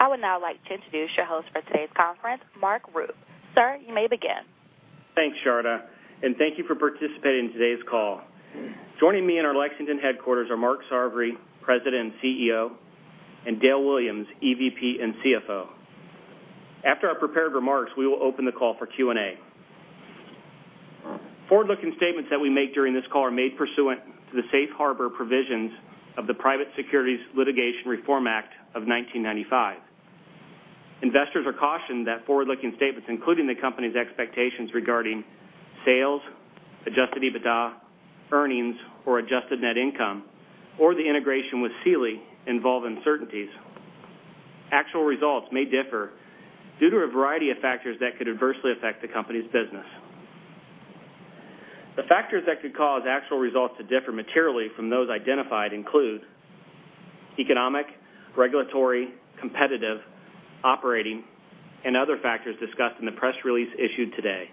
I would now like to introduce your host for today's conference, Mark Ruth. Sir, you may begin. Thanks, Sharda. Thank you for participating in today's call. Joining me in our Lexington headquarters are Mark Sarvary, President and CEO, and Dale Williams, EVP and CFO. After our prepared remarks, we will open the call for Q&A. Forward-looking statements that we make during this call are made pursuant to the safe harbor provisions of the Private Securities Litigation Reform Act of 1995. Investors are cautioned that forward-looking statements, including the company's expectations regarding sales, adjusted EBITDA, earnings or adjusted net income, or the integration with Sealy involve uncertainties. Actual results may differ due to a variety of factors that could adversely affect the company's business. The factors that could cause actual results to differ materially from those identified include economic, regulatory, competitive, operating, and other factors discussed in the press release issued today.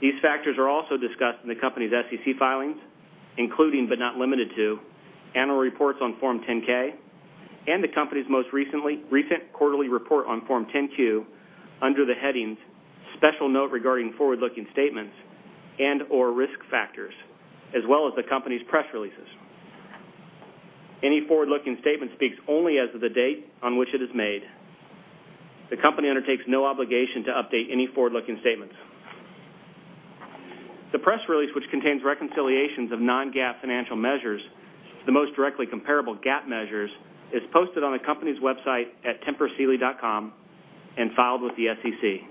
These factors are also discussed in the company's SEC filings, including but not limited to annual reports on Form 10-K and the company's most recent quarterly report on Form 10-Q under the headings "Special Note regarding Forward-Looking Statements" and/or "Risk Factors," as well as the company's press releases. Any forward-looking statement speaks only as of the date on which it is made. The company undertakes no obligation to update any forward-looking statements. The press release, which contains reconciliations of non-GAAP financial measures, the most directly comparable GAAP measures, is posted on the company's website at tempursealy.com and filed with the SEC.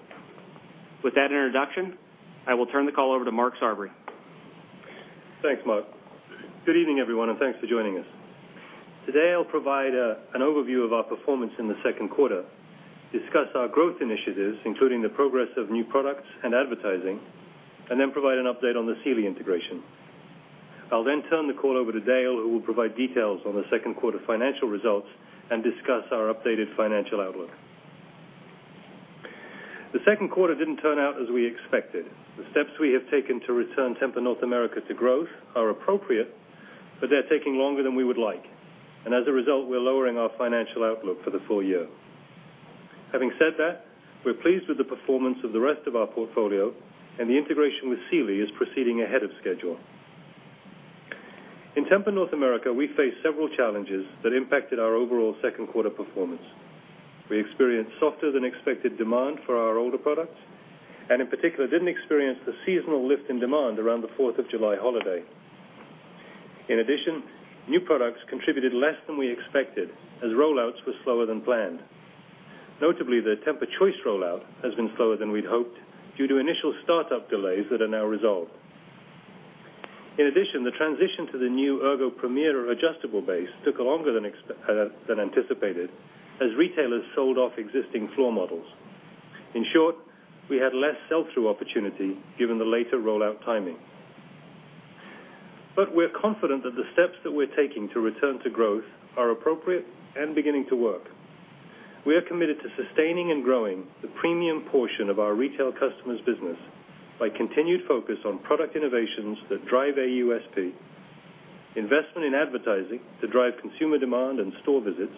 With that introduction, I will turn the call over to Mark Sarvary. Thanks, Mark. Good evening, everyone, and thanks for joining us. Today, I'll provide an overview of our performance in the second quarter, discuss our growth initiatives, including the progress of new products and advertising, and then provide an update on the Sealy integration. I'll then turn the call over to Dale, who will provide details on the second quarter financial results and discuss our updated financial outlook. The second quarter didn't turn out as we expected. The steps we have taken to return Tempur North America to growth are appropriate, but they're taking longer than we would like, and as a result, we're lowering our financial outlook for the full year. Having said that, we're pleased with the performance of the rest of our portfolio, and the integration with Sealy is proceeding ahead of schedule. In Tempur North America, we faced several challenges that impacted our overall second quarter performance. We experienced softer than expected demand for our older products, and in particular, didn't experience the seasonal lift in demand around the Fourth of July holiday. In addition, new products contributed less than we expected as rollouts were slower than planned. Notably, the TEMPUR-Choice rollout has been slower than we'd hoped due to initial startup delays that are now resolved. In addition, the transition to the new TEMPUR-Ergo Premier adjustable base took longer than anticipated as retailers sold off existing floor models. In short, we had less sell-through opportunity given the later rollout timing. We're confident that the steps that we're taking to return to growth are appropriate and beginning to work. We are committed to sustaining and growing the premium portion of our retail customers' business by continued focus on product innovations that drive AUSP, investment in advertising to drive consumer demand and store visits,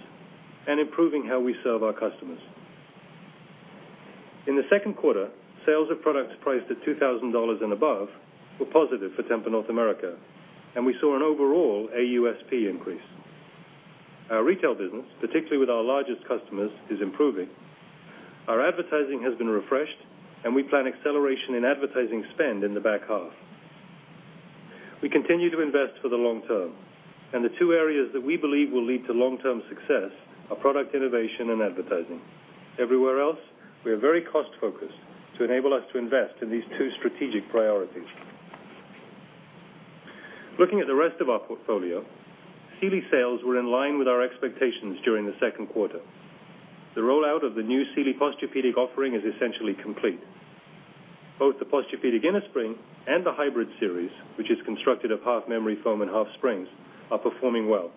and improving how we serve our customers. In the second quarter, sales of products priced at $2,000 and above were positive for Tempur North America, and we saw an overall AUSP increase. Our retail business, particularly with our largest customers, is improving. Our advertising has been refreshed, and we plan acceleration in advertising spend in the back half. We continue to invest for the long term, and the two areas that we believe will lead to long-term success are product innovation and advertising. Everywhere else, we are very cost-focused to enable us to invest in these two strategic priorities. Looking at the rest of our portfolio, Sealy sales were in line with our expectations during the second quarter. The rollout of the new Sealy Posturepedic offering is essentially complete. Both the Posturepedic innerspring and the Posturepedic Hybrid, which is constructed of half memory foam and half springs, are performing well.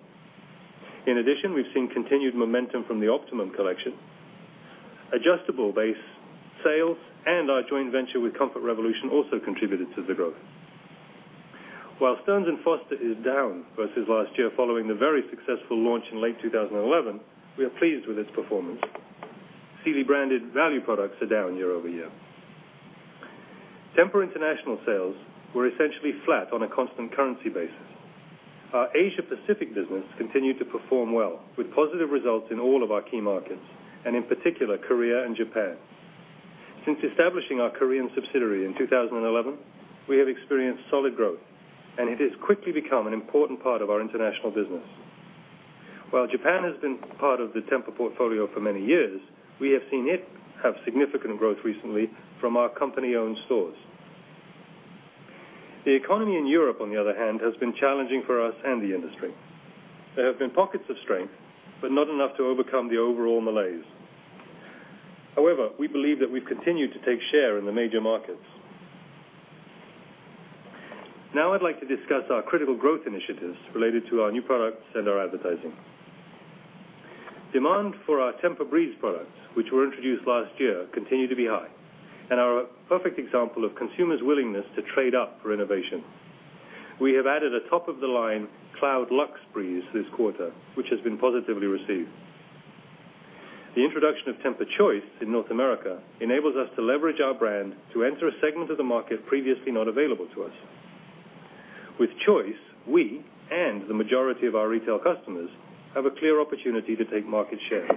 In addition, we've seen continued momentum from the Optimum collection. Adjustable base sales and our joint venture with Comfort Revolution also contributed to the growth. While Stearns & Foster is down versus last year following the very successful launch in late 2011, we are pleased with its performance. Sealy branded value products are down year-over-year. Tempur International sales were essentially flat on a constant currency basis. Our Asia Pacific business continued to perform well with positive results in all of our key markets, and in particular Korea and Japan. Since establishing our Korean subsidiary in 2011, we have experienced solid growth, and it has quickly become an important part of our international business. While Japan has been part of the Tempur portfolio for many years, we have seen it have significant growth recently from our company-owned stores. The economy in Europe, on the other hand, has been challenging for us and the industry. There have been pockets of strength, but not enough to overcome the overall malaise. However, we believe that we've continued to take share in the major markets. Now I'd like to discuss our critical growth initiatives related to our new products and our advertising. Demand for our TEMPUR-Breeze products, which were introduced last year, continue to be high and are a perfect example of consumers' willingness to trade up for innovation. We have added a top-of-the-line TEMPUR-Cloud Luxe Breeze this quarter, which has been positively received. The introduction of TEMPUR-Choice in North America enables us to leverage our brand to enter a segment of the market previously not available to us. With Choice, we, and the majority of our retail customers, have a clear opportunity to take market share.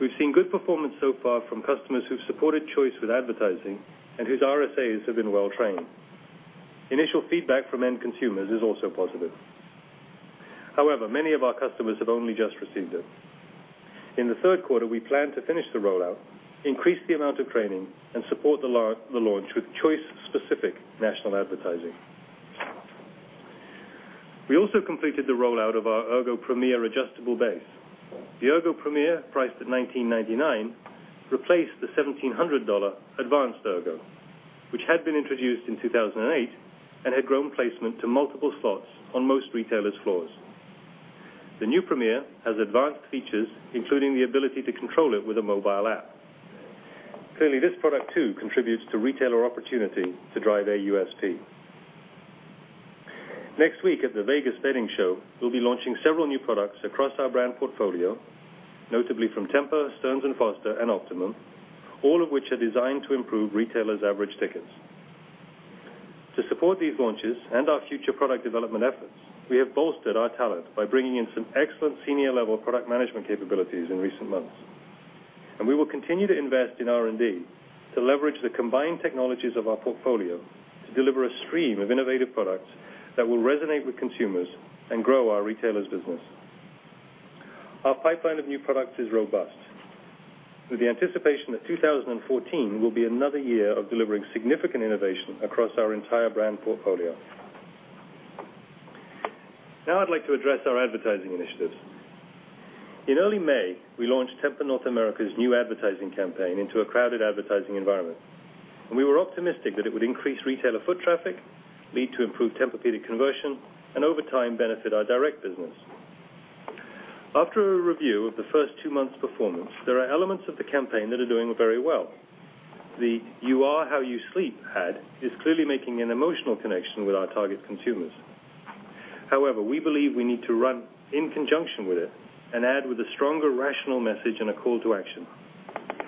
We've seen good performance so far from customers who've supported Choice with advertising and whose RSAs have been well-trained. Initial feedback from end consumers is also positive. Many of our customers have only just received it. In the third quarter, we plan to finish the rollout, increase the amount of training, and support the launch with Choice-specific national advertising. We also completed the rollout of our Ergo Premier adjustable base. The Ergo Premier, priced at $1,999, replaced the $1,700 Advanced Ergo, which had been introduced in 2008 and had grown placement to multiple slots on most retailers' floors. The new Premier has advanced features, including the ability to control it with a mobile app. Clearly, this product too contributes to retailer opportunity to drive AUSP. Next week at the Vegas Bedding Show, we'll be launching several new products across our brand portfolio, notably from Tempur, Stearns & Foster, and Optimum, all of which are designed to improve retailers' average tickets. To support these launches and our future product development efforts, we have bolstered our talent by bringing in some excellent senior-level product management capabilities in recent months. We will continue to invest in R&D to leverage the combined technologies of our portfolio to deliver a stream of innovative products that will resonate with consumers and grow our retailers' business. Our pipeline of new products is robust, with the anticipation that 2014 will be another year of delivering significant innovation across our entire brand portfolio. I'd like to address our advertising initiatives. In early May, we launched Tempur North America's new advertising campaign into a crowded advertising environment. We were optimistic that it would increase retailer foot traffic, lead to improved Tempur-Pedic conversion, and over time, benefit our direct business. After a review of the first two months' performance, there are elements of the campaign that are doing very well. The You Are How You Sleep ad is clearly making an emotional connection with our target consumers. We believe we need to run in conjunction with it, an ad with a stronger rational message and a call to action.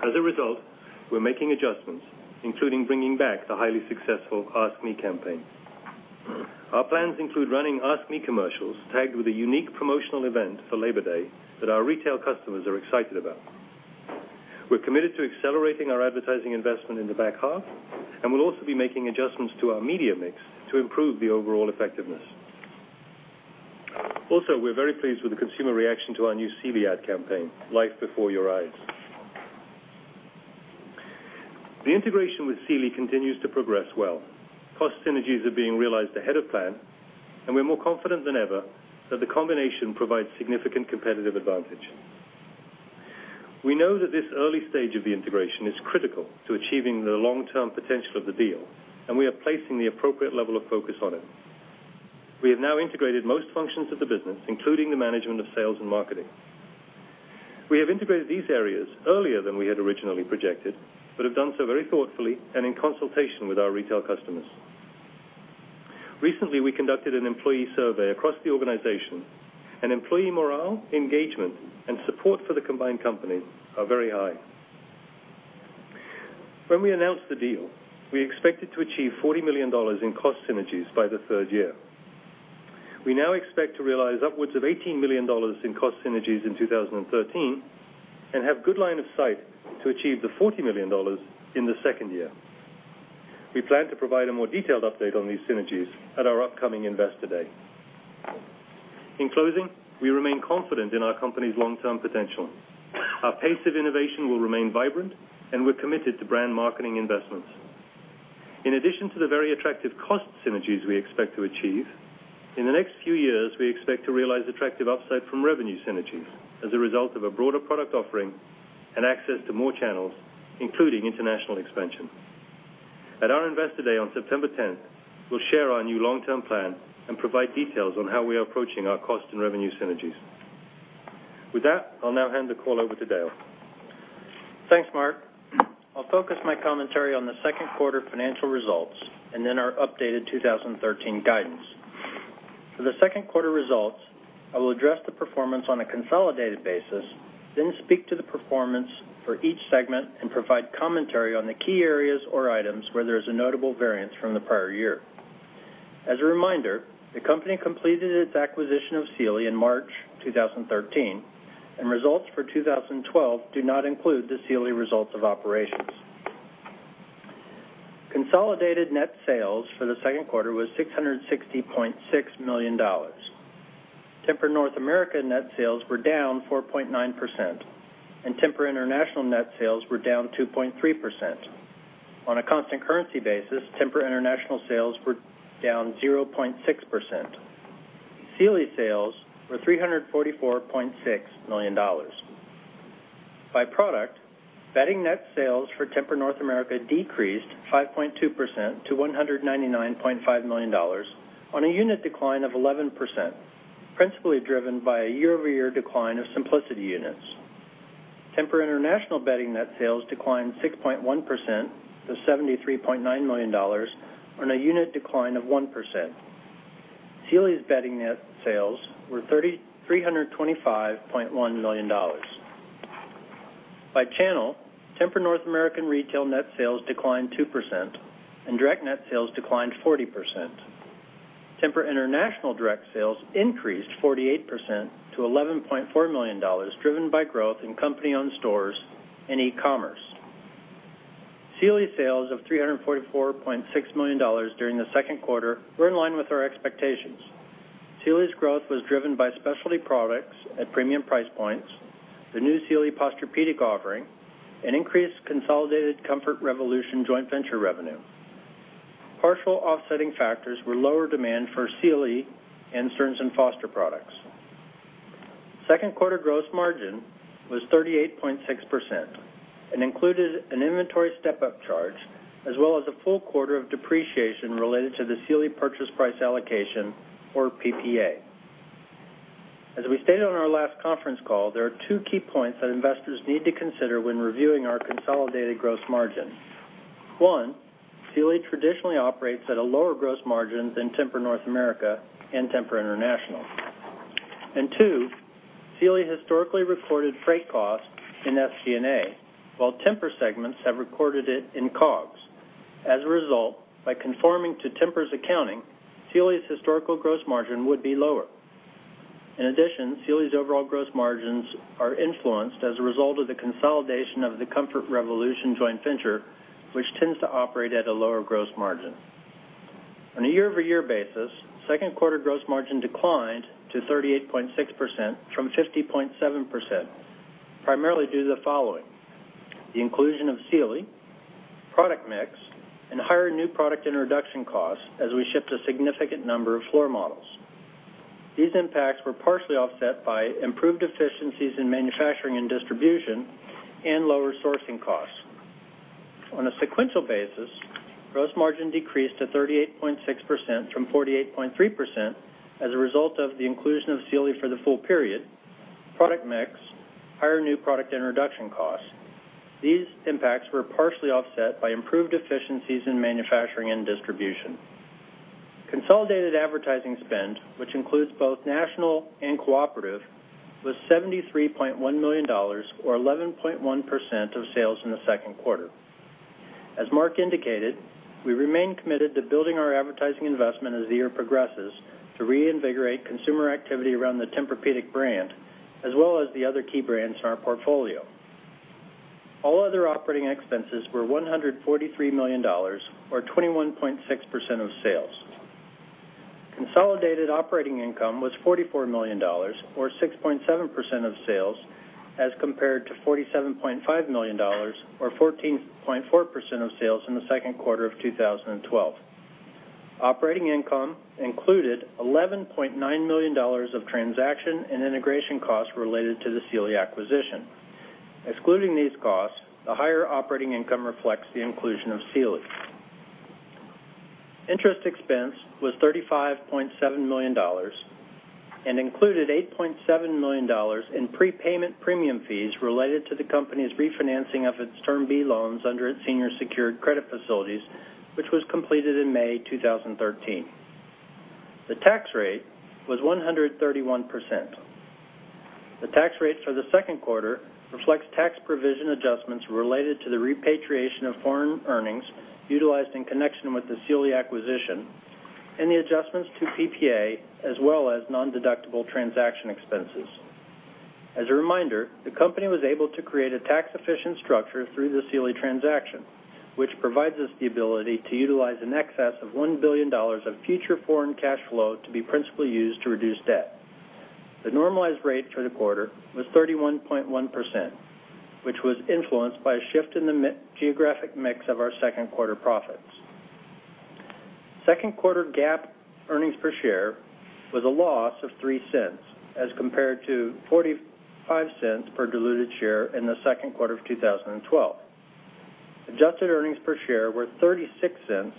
As a result, we're making adjustments, including bringing back the highly successful Ask Me campaign. Our plans include running Ask Me commercials tagged with a unique promotional event for Labor Day that our retail customers are excited about. We're committed to accelerating our advertising investment in the back half. We'll also be making adjustments to our media mix to improve the overall effectiveness. We're very pleased with the consumer reaction to our new Sealy ad campaign, Life Before Your Eyes. The integration with Sealy continues to progress well. Cost synergies are being realized ahead of plan. We're more confident than ever that the combination provides significant competitive advantage. We know that this early stage of the integration is critical to achieving the long-term potential of the deal. We are placing the appropriate level of focus on it. We have now integrated most functions of the business, including the management of sales and marketing. We have integrated these areas earlier than we had originally projected, but have done so very thoughtfully and in consultation with our retail customers. Recently, we conducted an employee survey across the organization, employee morale, engagement, and support for the combined company are very high. When we announced the deal, we expected to achieve $40 million in cost synergies by the third year. We now expect to realize upwards of $18 million in cost synergies in 2013 and have good line of sight to achieve the $40 million in the second year. We plan to provide a more detailed update on these synergies at our upcoming Investor Day. In closing, we remain confident in our company's long-term potential. Our pace of innovation will remain vibrant, we're committed to brand marketing investments. In addition to the very attractive cost synergies we expect to achieve, in the next few years, we expect to realize attractive upside from revenue synergies as a result of a broader product offering and access to more channels, including international expansion. At our Investor Day on September 10th, we'll share our new long-term plan and provide details on how we are approaching our cost and revenue synergies. With that, I'll now hand the call over to Dale. Thanks, Mark. I'll focus my commentary on the second quarter financial results, our updated 2013 guidance. For the second quarter results, I will address the performance on a consolidated basis, speak to the performance for each segment and provide commentary on the key areas or items where there is a notable variance from the prior year. As a reminder, the company completed its acquisition of Sealy in March 2013, results for 2012 do not include the Sealy results of operations. Consolidated net sales for the second quarter was $660.6 million. Tempur North America net sales were down 4.9%, Tempur International net sales were down 2.3%. On a constant currency basis, Tempur International sales were down 0.6%. Sealy sales were $344.6 million. By product, bedding net sales for Tempur North America decreased 5.2% to $199.5 million on a unit decline of 11%, principally driven by a year-over-year decline of TEMPUR-Simplicity units. Tempur International bedding net sales declined 6.1% to $73.9 million on a unit decline of 1%. Sealy's bedding net sales were $325.1 million. By channel, Tempur North American retail net sales declined 2%, direct net sales declined 40%. Tempur International direct sales increased 48% to $11.4 million, driven by growth in company-owned stores and e-commerce. Sealy sales of $344.6 million during the second quarter were in line with our expectations. Sealy's growth was driven by specialty products at premium price points, the new Sealy Posturepedic offering, increased consolidated Comfort Revolution joint venture revenue. Partial offsetting factors were lower demand for Sealy and Stearns & Foster products. Second quarter gross margin was 38.6% and included an inventory step-up charge, as well as a full quarter of depreciation related to the Sealy purchase price allocation, or PPA. As we stated on our last conference call, there are two key points that investors need to consider when reviewing our consolidated gross margin. One, Sealy traditionally operates at a lower gross margin than Tempur North America and Tempur International. Two, Sealy historically recorded freight costs in SG&A, while Tempur segments have recorded it in COGS. As a result, by conforming to Tempur's accounting, Sealy's historical gross margin would be lower. In addition, Sealy's overall gross margins are influenced as a result of the consolidation of the Comfort Revolution joint venture, which tends to operate at a lower gross margin. On a year-over-year basis, second quarter gross margin declined to 38.6% from 50.7%, primarily due to the following: The inclusion of Sealy, product mix, and higher new product introduction costs as we shipped a significant number of floor models. These impacts were partially offset by improved efficiencies in manufacturing and distribution and lower sourcing costs. On a sequential basis, gross margin decreased to 38.6% from 48.3% as a result of the inclusion of Sealy for the full period, product mix, higher new product introduction costs. These impacts were partially offset by improved efficiencies in manufacturing and distribution. Consolidated advertising spend, which includes both national and cooperative, was $73.1 million, or 11.1% of sales in the second quarter. As Mark indicated, we remain committed to building our advertising investment as the year progresses to reinvigorate consumer activity around the Tempur-Pedic brand, as well as the other key brands in our portfolio. All other operating expenses were $143 million, or 21.6% of sales. Consolidated operating income was $44 million, or 6.7% of sales, as compared to $47.5 million, or 14.4% of sales in the second quarter of 2012. Operating income included $11.9 million of transaction and integration costs related to the Sealy acquisition. Excluding these costs, the higher operating income reflects the inclusion of Sealy. Interest expense was $35.7 million and included $8.7 million in prepayment premium fees related to the company's refinancing of its Term B loans under its senior secured credit facilities, which was completed in May 2013. The tax rate was 131%. The tax rates for the second quarter reflects tax provision adjustments related to the repatriation of foreign earnings utilized in connection with the Sealy acquisition and the adjustments to PPA, as well as non-deductible transaction expenses. As a reminder, the company was able to create a tax-efficient structure through the Sealy transaction, which provides us the ability to utilize in excess of $1 billion of future foreign cash flow to be principally used to reduce debt. The normalized rate for the quarter was 31.1%, which was influenced by a shift in the geographic mix of our second quarter profits. Second quarter GAAP earnings per share was a loss of $0.03 as compared to $0.45 per diluted share in the second quarter of 2012. Adjusted earnings per share were $0.36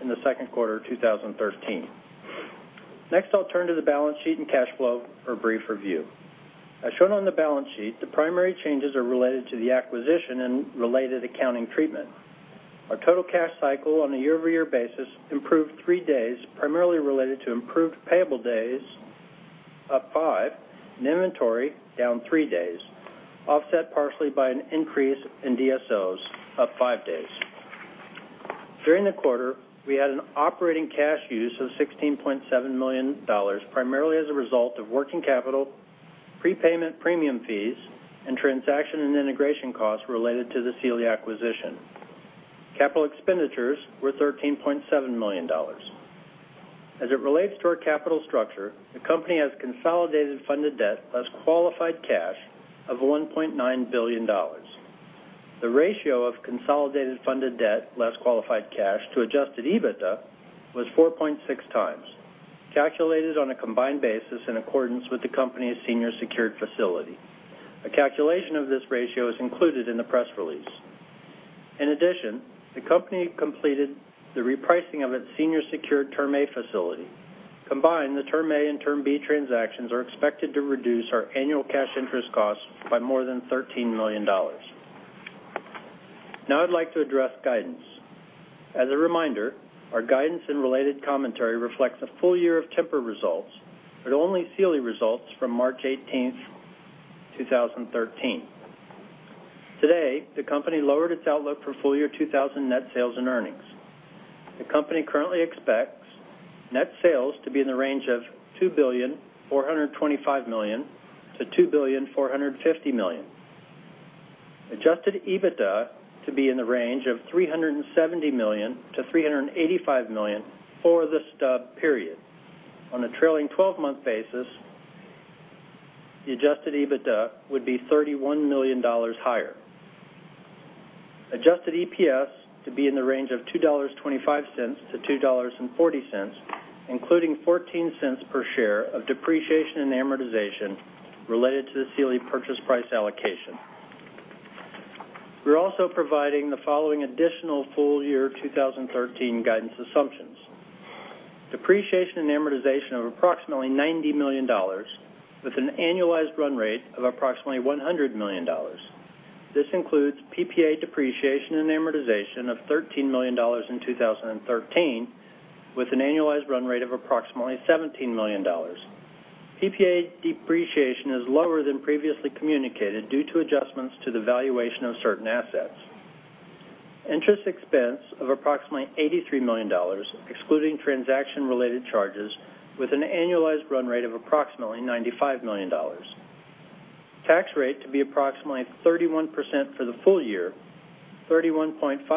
in the second quarter of 2013. Next, I'll turn to the balance sheet and cash flow for a brief review. As shown on the balance sheet, the primary changes are related to the acquisition and related accounting treatment. Our total cash cycle on a year-over-year basis improved three days, primarily related to improved payable days, up five, and inventory, down three days, offset partially by an increase in DSOs up five days. During the quarter, we had an operating cash use of $16.7 million, primarily as a result of working capital, prepayment premium fees, and transaction and integration costs related to the Sealy acquisition. Capital expenditures were $13.7 million. As it relates to our capital structure, the company has consolidated funded debt, less qualified cash, of $1.9 billion. The ratio of consolidated funded debt, less qualified cash, to adjusted EBITDA was 4.6 times, calculated on a combined basis in accordance with the company's senior secured facility. A calculation of this ratio is included in the press release. In addition, the company completed the repricing of its senior secured Term A facility. Combined, the Term A and Term B transactions are expected to reduce our annual cash interest costs by more than $13 million. I'd like to address guidance. As a reminder, our guidance and related commentary reflects a full year of Tempur results, but only Sealy results from March 18th, 2013. Today, the company lowered its outlook for full-year 2013 net sales and earnings. The company currently expects net sales to be in the range of $2.425 billion-$2.450 billion. Adjusted EBITDA to be in the range of $370 million-$385 million for the stub period. On a trailing 12-month basis, the adjusted EBITDA would be $31 million higher. Adjusted EPS to be in the range of $2.25-$2.40, including $0.14 per share of depreciation and amortization related to the Sealy purchase price allocation. We're also providing the following additional full year 2013 guidance assumptions. Depreciation and amortization of approximately $90 million with an annualized run rate of approximately $100 million. This includes PPA depreciation and amortization of $13 million in 2013, with an annualized run rate of approximately $17 million. PPA depreciation is lower than previously communicated due to adjustments to the valuation of certain assets. Interest expense of approximately $83 million, excluding transaction-related charges, with an annualized run rate of approximately $95 million. Tax rate to be approximately 31% for the full year, 31.5%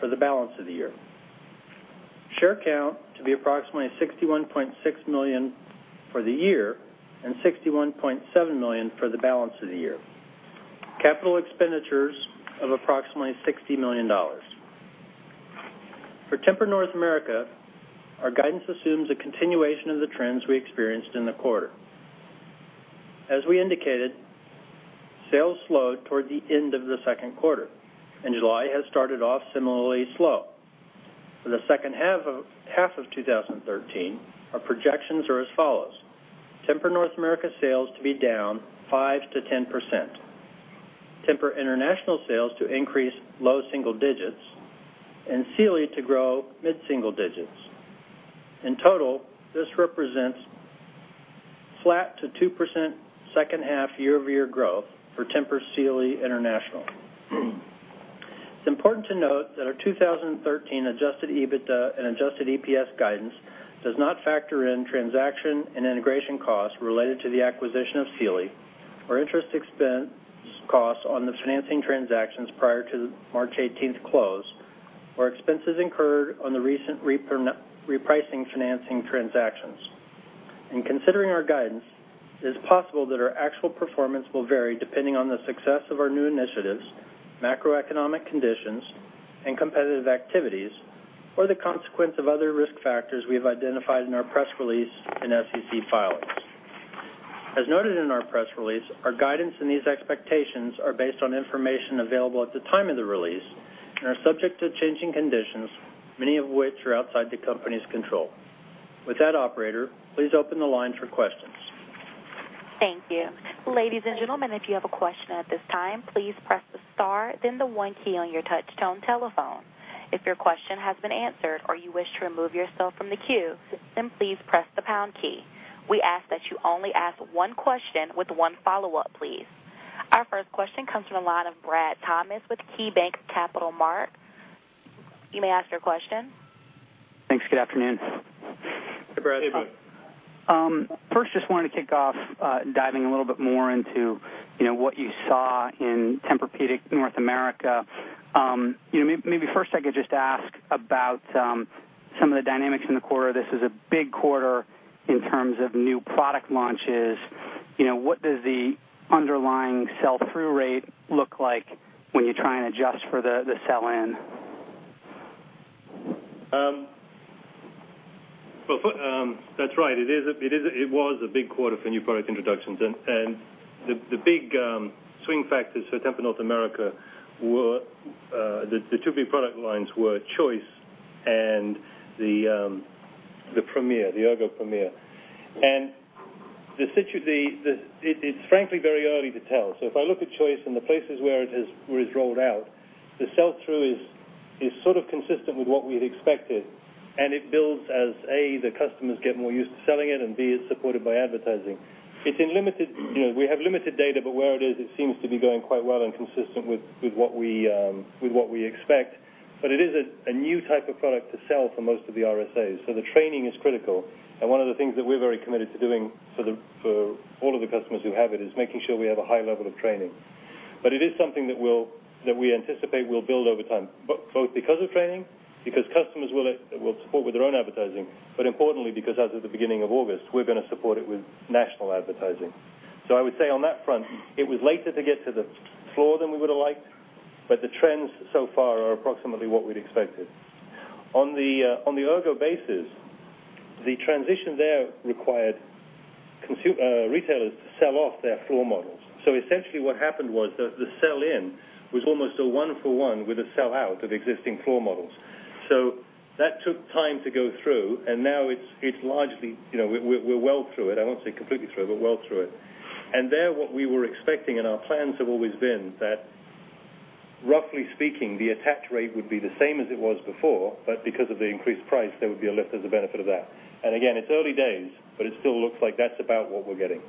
for the balance of the year. Share count to be approximately 61.6 million for the year and 61.7 million for the balance of the year. Capital expenditures of approximately $60 million. For Tempur North America, our guidance assumes a continuation of the trends we experienced in the quarter. As we indicated, sales slowed toward the end of the second quarter, and July has started off similarly slow. For the second half of 2013, our projections are as follows: Tempur North America sales to be down 5%-10%, Tempur International sales to increase low single digits, and Sealy to grow mid-single digits. In total, this represents flat to 2% second half year-over-year growth for Tempur Sealy International. It's important to note that our 2013 adjusted EBITDA and adjusted EPS guidance does not factor in transaction and integration costs related to the acquisition of Sealy or interest expense costs on the financing transactions prior to the March 18th close, or expenses incurred on the recent repricing financing transactions. In considering our guidance, it is possible that our actual performance will vary depending on the success of our new initiatives, macroeconomic conditions, and competitive activities, or the consequence of other risk factors we have identified in our press release and SEC filings. As noted in our press release, our guidance and these expectations are based on information available at the time of the release and are subject to changing conditions, many of which are outside the company's control. With that, operator, please open the lines for questions. Thank you. Ladies and gentlemen, if you have a question at this time, please press the star, then the 1 key on your touch tone telephone. If your question has been answered or you wish to remove yourself from the queue, please press the pound key. We ask that you only ask one question with one follow-up, please. Our first question comes from the line of Bradley Thomas with KeyBanc Capital Markets. You may ask your question. Thanks. Good afternoon. Hey, Brad. First, just wanted to kick off, diving a little bit more into what you saw in Tempur-Pedic North America. Maybe first I could just ask about some of the dynamics in the quarter. This is a big quarter in terms of new product launches. What does the underlying sell-through rate look like when you try and adjust for the sell-in? That's right. The big swing factors for Tempur North America were the two big product lines were Choice and the TEMPUR-Ergo Premier. It's frankly very early to tell. If I look at Choice and the places where it has rolled out, the sell-through is sort of consistent with what we'd expected, and it builds as, A, the customers get more used to selling it, and B, it's supported by advertising. We have limited data, but where it is, it seems to be going quite well and consistent with what we expect. It is a new type of product to sell for most of the RSAs. The training is critical, and one of the things that we're very committed to doing for all of the customers who have it is making sure we have a high level of training. It is something that we anticipate will build over time, both because of training, because customers will support with their own advertising, but importantly because as of the beginning of August, we're going to support it with national advertising. I would say on that front, it was later to get to the floor than we would've liked, but the trends so far are approximately what we'd expected. On the Ergo basis The transition there required retailers to sell off their floor models. Essentially what happened was the sell-in was almost a one for one with a sell-out of existing floor models. That took time to go through and now we're well through it. I won't say completely through, but well through it. There, what we were expecting and our plans have always been that, roughly speaking, the attach rate would be the same as it was before, but because of the increased price, there would be a lift as a benefit of that. Again, it's early days, but it still looks like that's about what we're getting.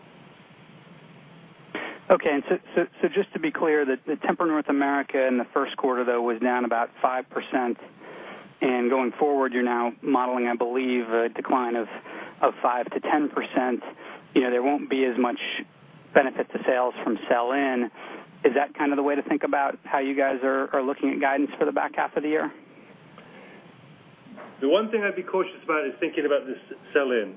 Okay. Just to be clear, the Tempur North America in the first quarter, though, was down about 5%. Going forward, you're now modeling, I believe, a decline of 5%-10%. There won't be as much benefit to sales from sell-in. Is that the way to think about how you guys are looking at guidance for the back half of the year? The one thing I'd be cautious about is thinking about this sell-in.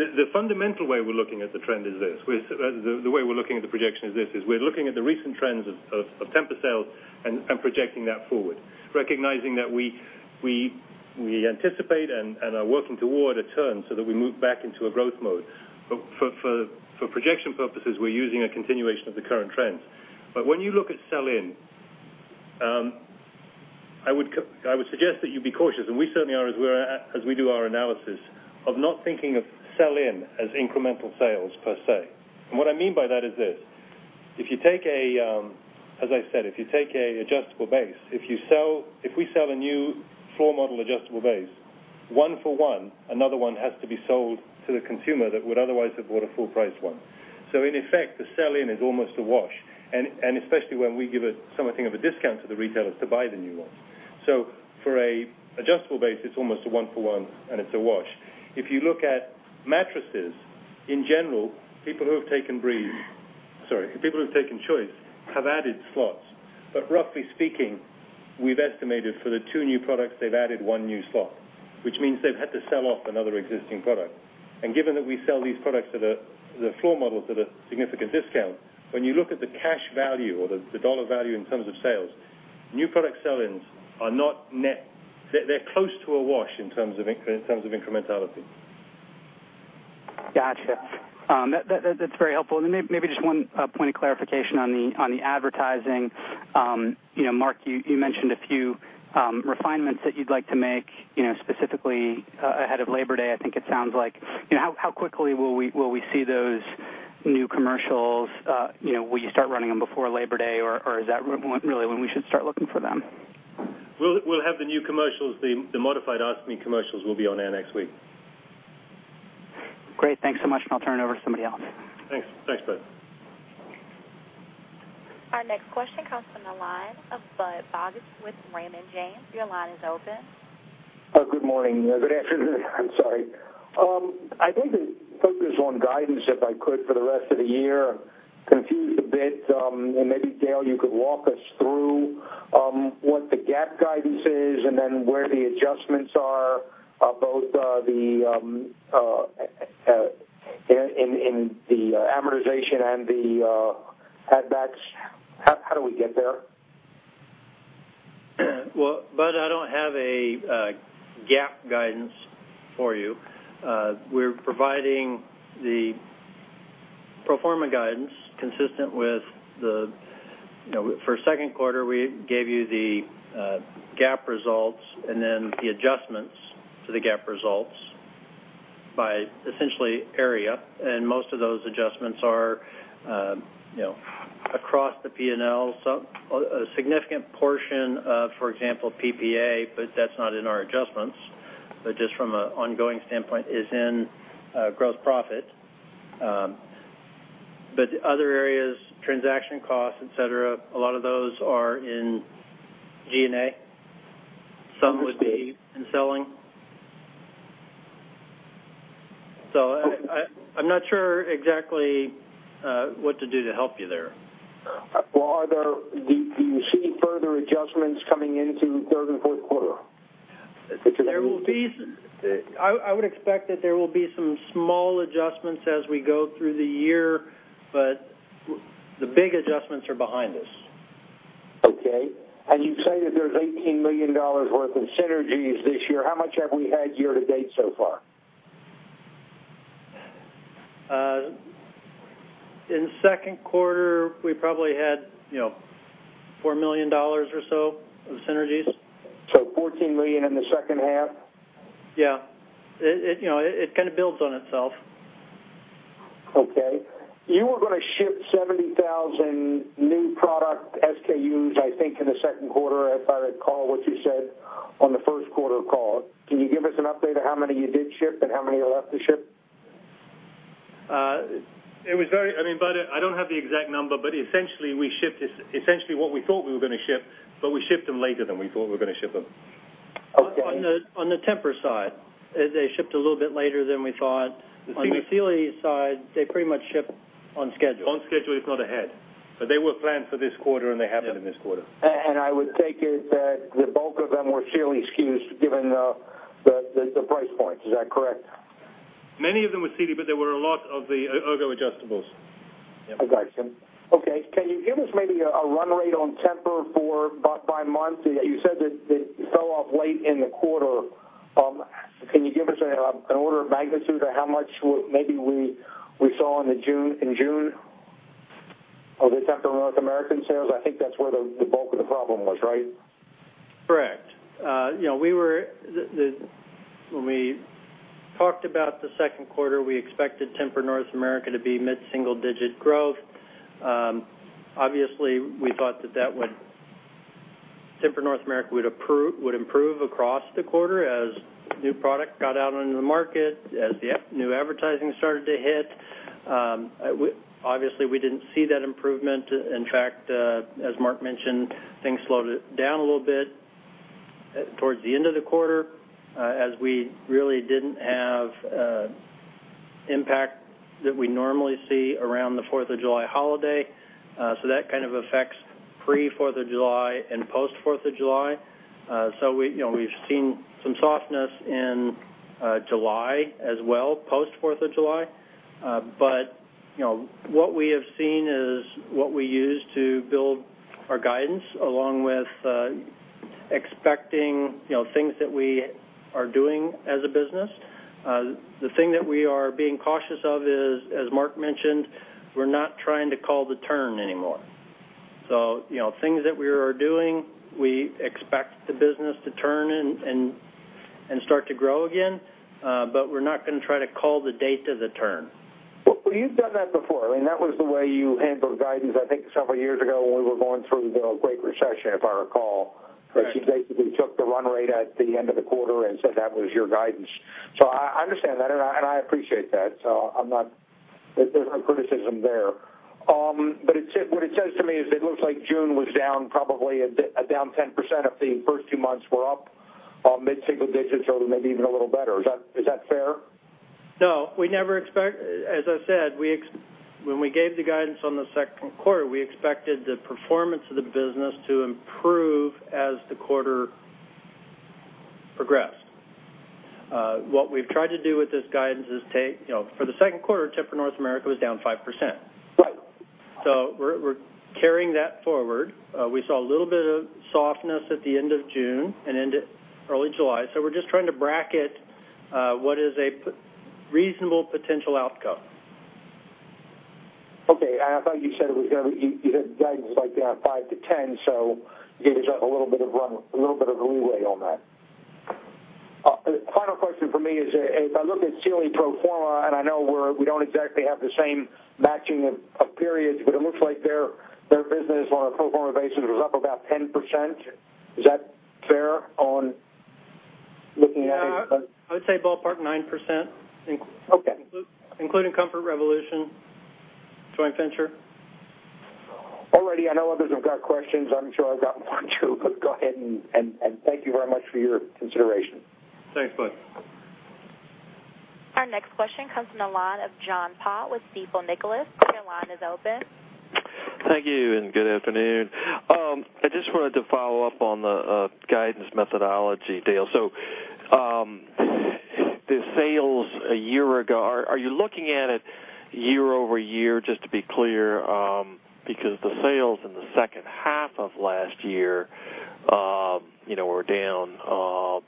The fundamental way we're looking at the trend is this. The way we're looking at the projection is this, is we're looking at the recent trends of Tempur sales and projecting that forward. Recognizing that we anticipate and are working toward a turn so that we move back into a growth mode. For projection purposes, we're using a continuation of the current trends. When you look at sell-in, I would suggest that you be cautious, and we certainly are as we do our analysis, of not thinking of sell-in as incremental sales, per se. What I mean by that is this. As I said, if you take an adjustable base, if we sell a new floor model adjustable base, one for one, another one has to be sold to the consumer that would otherwise have bought a full-priced one. In effect, the sell-in is almost a wash, and especially when we give something of a discount to the retailers to buy the new ones. For an adjustable base, it's almost a one for one, and it's a wash. If you look at mattresses, in general, people who have taken Choice have added slots. Roughly speaking, we've estimated for the two new products, they've added one new slot, which means they've had to sell off another existing product. Given that we sell these products, the floor models, at a significant discount, when you look at the cash value or the dollar value in terms of sales, new product sell-ins are not net. They're close to a wash in terms of incrementality. Got you. That's very helpful. Maybe just one point of clarification on the advertising. Mark, you mentioned a few refinements that you'd like to make, specifically ahead of Labor Day, I think it sounds like. How quickly will we see those new commercials? Will you start running them before Labor Day, or is that really when we should start looking for them? We'll have the new commercials, the modified Ask Me commercials will be on air next week. Great. Thanks so much, and I'll turn it over to somebody else. Thanks, Budd. Our next question comes from the line of Budd Bugatch with Raymond James. Your line is open. Good morning. Good afternoon. I'm sorry. I'd like to focus on guidance, if I could, for the rest of the year. Confused a bit, maybe Dale, you could walk us through what the GAAP guidance is and then where the adjustments are both in the amortization and the add backs. How do we get there? Well, Budd, I don't have a GAAP guidance for you. We're providing the pro forma guidance consistent with. For second quarter, we gave you the GAAP results and then the adjustments to the GAAP results by essentially area. Most of those adjustments are across the P&L. A significant portion of, for example, PPA, that's not in our adjustments. Just from an ongoing standpoint is in gross profit. Other areas, transaction costs, et cetera, a lot of those are in G&A. Some would be in selling. I'm not sure exactly what to do to help you there. Well, do you see further adjustments coming into third and fourth quarter? I would expect that there will be some small adjustments as we go through the year, but the big adjustments are behind us. Okay. You say that there's $18 million worth in synergies this year. How much have we had year-to-date so far? In second quarter, we probably had $4 million or so of synergies. $14 million in the second half? Yeah. It kind of builds on itself. Okay. You were going to ship 70,000 new product SKUs, I think in the second quarter, if I recall what you said on the first quarter call. Can you give us an update of how many you did ship and how many are left to ship? Budd, I don't have the exact number, but essentially, we shipped what we thought we were going to ship, but we shipped them later than we thought we were going to ship them. Okay. On the Tempur side, they shipped a little bit later than we thought. On the Sealy side, they pretty much shipped on schedule. On schedule, if not ahead. They were planned for this quarter, and they happened in this quarter. I would take it that the bulk of them were Sealy SKUs, given the price points. Is that correct? Many of them were Sealy, but there were a lot of the Ergo adjustables. I got you. Okay. Can you give us maybe a run rate on Tempur by month? You said that it fell off late in the quarter. Can you give us an order of magnitude of how much maybe we saw in June of the Tempur North American sales? I think that's where the bulk of the problem was, right? Correct. When we talked about the second quarter, we expected Tempur North America to be mid-single digit growth. We thought that Tempur North America would improve across the quarter as new product got out into the market, as the new advertising started to hit. Obviously, we didn't see that improvement. In fact, as Mark mentioned, things slowed down a little bit towards the end of the quarter as we really didn't have impact that we normally see around the Fourth of July holiday. That kind of affects pre-Fourth of July and post-Fourth of July. We've seen some softness in July as well, post-Fourth of July. What we have seen is what we use to build our guidance, along with expecting things that we are doing as a business. The thing that we are being cautious of is, as Mark mentioned, we're not trying to call the turn anymore. Things that we are doing, we expect the business to turn and start to grow again, we're not going to try to call the date of the turn. Well, you've done that before. I mean, that was the way you handled guidance, I think several years ago when we were going through the Great Recession, if I recall. Right. That you basically took the run rate at the end of the quarter and said that was your guidance. I understand that, and I appreciate that. There's no criticism there. What it says to me is it looks like June was down probably a down 10% if the first two months were up mid-single digits or maybe even a little better. Is that fair? No, as I said, when we gave the guidance on the second quarter, we expected the performance of the business to improve as the quarter progressed. What we've tried to do with this guidance is take, for the second quarter, Tempur North America was down 5%. Right. We're carrying that forward. We saw a little bit of softness at the end of June and into early July. We're just trying to bracket what is a reasonable potential outcome. Okay. I thought you said you had guidance like down 5%-10%, so you gave yourself a little bit of a leeway on that. Final question from me is if I look at Sealy pro forma, and I know we don't exactly have the same matching of periods, but it looks like their business on a pro forma basis was up about 10%. Is that fair on looking at it? Yeah. I would say ballpark 9%. Okay. Including Comfort Revolution joint venture. All righty. I know others have got questions. I'm sure I've got one too, but go ahead and thank you very much for your consideration. Thanks, Budd. Our next question comes from the line of John Baugh with Stifel - Nicolaus. Your line is open. Thank you and good afternoon. I just wanted to follow up on the guidance methodology, Dale. The sales a year ago, are you looking at it year-over-year, just to be clear? Because the sales in the second half of last year were down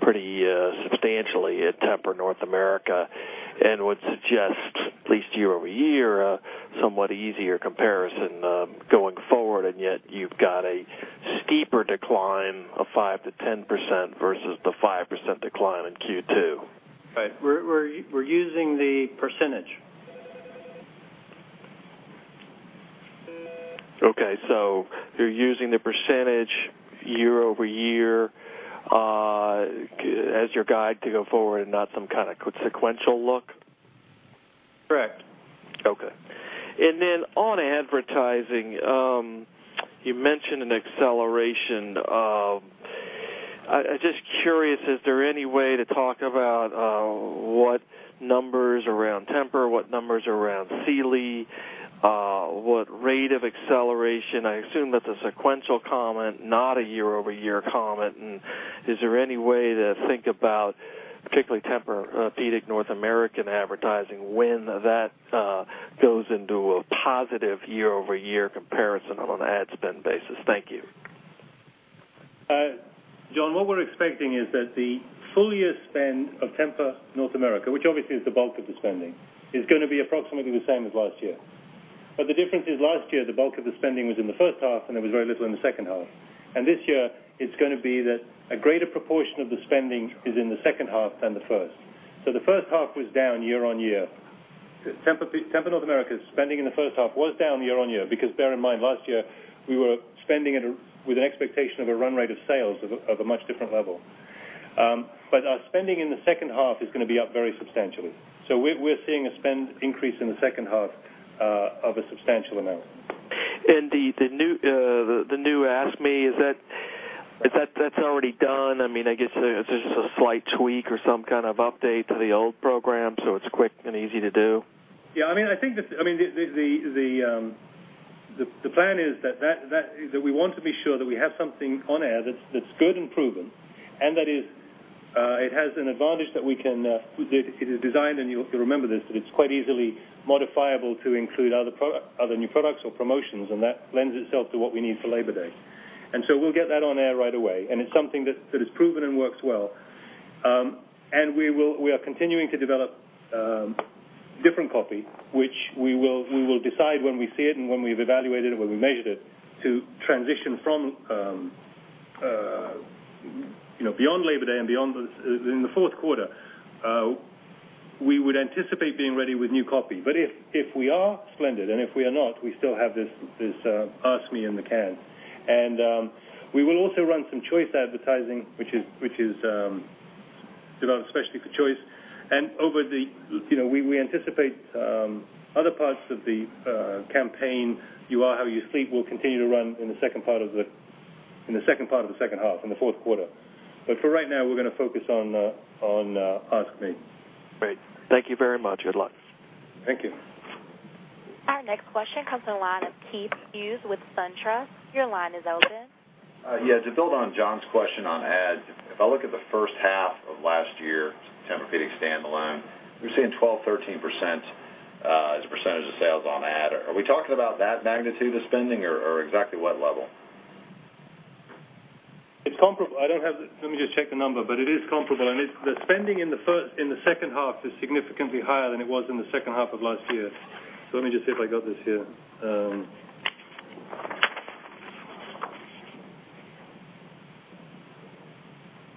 pretty substantially at Tempur North America and would suggest at least year-over-year, a somewhat easier comparison going forward, and yet you've got a steeper decline of 5%-10% versus the 5% decline in Q2. Right. We're using the percentage. Okay. You're using the percentage year-over-year as your guide to go forward and not some kind of sequential look? Correct. Okay. On advertising, you mentioned an acceleration of I'm just curious, is there any way to talk about what numbers around Tempur, what numbers around Sealy, what rate of acceleration? I assume that's a sequential comment, not a year-over-year comment, and is there any way to think about, particularly Tempur-Pedic North American advertising, when that goes into a positive year-over-year comparison on an ad spend basis? Thank you. John, what we're expecting is that the full year spend of Tempur North America, which obviously is the bulk of the spending, is going to be approximately the same as last year. The difference is last year, the bulk of the spending was in the first half, and there was very little in the second half. This year it's going to be that a greater proportion of the spending is in the second half than the first. The first half was down year-over-year. Tempur North America's spending in the first half was down year-over-year because bear in mind, last year we were spending with an expectation of a run rate of sales of a much different level. Our spending in the second half is going to be up very substantially. We're seeing a spend increase in the second half of a substantial amount. The new Ask Me, is that's already done? I guess it's just a slight tweak or some kind of update to the old program, it's quick and easy to do? I think the plan is that we want to be sure that we have something on air that's good and proven, and that it has an advantage that we can. It is designed, and you'll remember this, that it's quite easily modifiable to include other new products or promotions. That lends itself to what we need for Labor Day. We'll get that on air right away, and it's something that is proven and works well. We are continuing to develop different copy, which we will decide when we see it and when we've evaluated it, when we've measured it to transition from beyond Labor Day and in the fourth quarter. We would anticipate being ready with new copy. If we are, splendid, and if we are not, we still have this Ask Me in the can. We will also run some Choice advertising, which is developed especially for Choice. We anticipate other parts of the campaign, You Are How You Sleep, will continue to run in the second part of the second half, in the fourth quarter. For right now, we're going to focus on Ask Me. Great. Thank you very much. Good luck. Thank you. Our next question comes on the line of Keith Hughes with SunTrust. Your line is open. To build on John's question on ads, if I look at the first half of last year, Tempur-Pedic standalone, we're seeing 12%, 13% as a percentage of sales on ad. Are we talking about that magnitude of spending, or exactly what level? It's comparable. Let me just check the number, it is comparable. The spending in the second half is significantly higher than it was in the second half of last year. Let me just see if I got this here.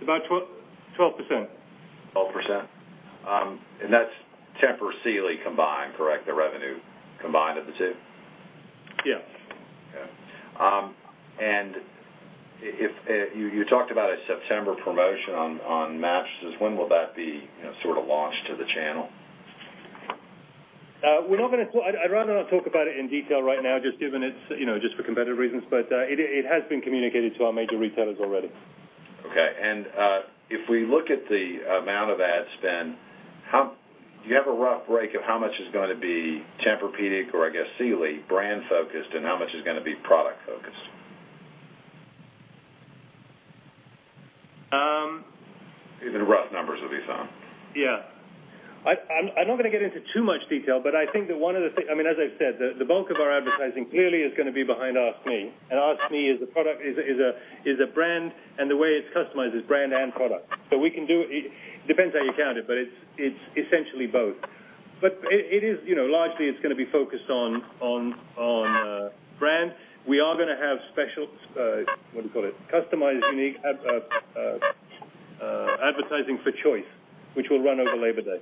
About 12%. 12%? That's Tempur Sealy combined, correct? The revenue combined of the two? Yes. You talked about a September promotion on mattresses. When will that be launched to the channel? I'd rather not talk about it in detail right now, just for competitive reasons, but it has been communicated to our major retailers already. Okay. If we look at the amount of ad spend, do you have a rough break of how much is going to be Tempur-Pedic or I guess Sealy brand focused and how much is going to be product focused? Even rough numbers would be fine. Yeah. I'm not going to get into too much detail, but I think that, as I've said, the bulk of our advertising clearly is going to be behind Ask Me, and Ask Me is a brand, and the way it's customized is brand and product. It depends how you count it, but it's essentially both. Largely, it's going to be focused on brand. We are going to have special, what do you call it, customized, unique advertising for Choice, which will run over Labor Day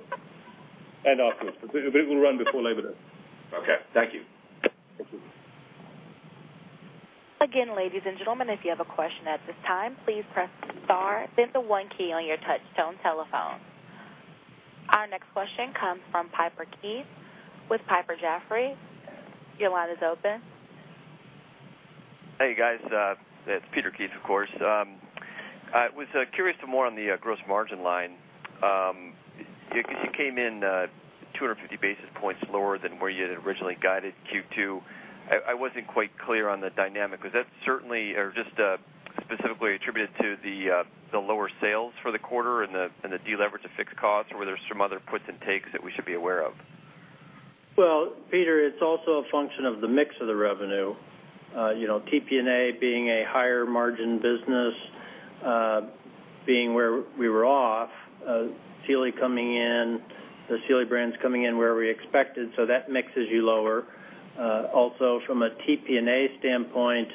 and afterwards. It will run before Labor Day. Okay. Thank you. Thank you. Ladies and gentlemen, if you have a question at this time, please press star then the one key on your touch tone telephone. Our next question comes from Peter Keith with Piper Jaffray. Your line is open. Hey, guys. It's Peter Keith, of course. I was curious to more on the gross margin line. You came in 250 basis points lower than where you had originally guided Q2. I wasn't quite clear on the dynamic. Was that certainly or just specifically attributed to the lower sales for the quarter and the deleverage of fixed costs, or were there some other puts and takes that we should be aware of? Well, Peter, it's also a function of the mix of the revenue. TPNA being a higher margin business being where we were off. The Sealy brands coming in where we expected, that mixes you lower. Also from a TPNA standpoint,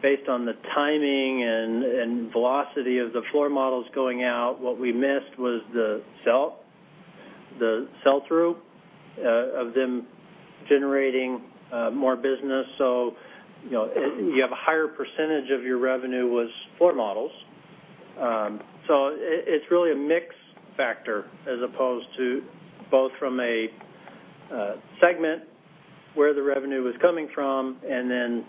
based on the timing and velocity of the floor models going out, what we missed was the sell-through of them generating more business. You have a higher percentage of your revenue was floor models. It's really a mix factor as opposed to both from a segment where the revenue was coming from and then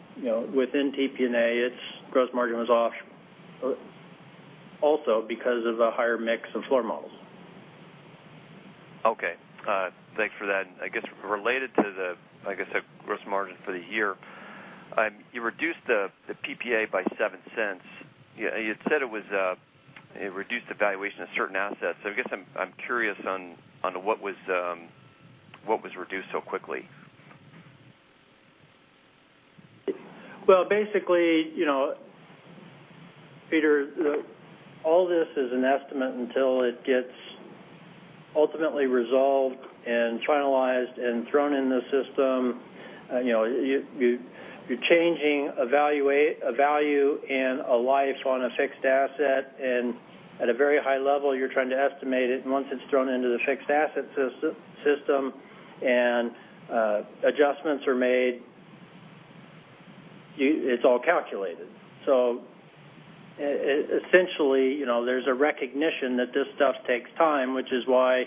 within TPNA, its gross margin was off also because of the higher mix of floor models. Okay. Thanks for that. Related to the gross margin for the year. You reduced the PPA by $0.07. You had said it was a reduced evaluation of certain assets. I'm curious on what was reduced so quickly. Peter, all this is an estimate until it gets ultimately resolved and finalized and thrown in the system. You're changing a value in a life on a fixed asset, and at a very high level, you're trying to estimate it, and once it's thrown into the fixed asset system and adjustments are made, it's all calculated. Essentially, there's a recognition that this stuff takes time, which is why,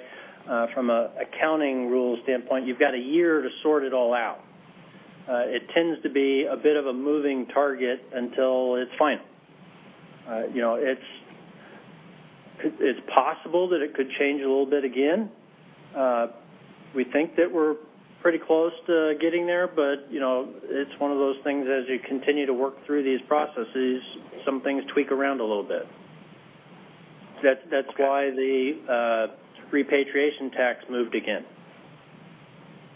from an accounting rule standpoint, you've got one year to sort it all out. It tends to be a bit of a moving target until it's final. It's possible that it could change a little bit again. We think that we're pretty close to getting there, it's one of those things as you continue to work through these processes, some things tweak around a little bit. Okay. That's why the repatriation tax moved again.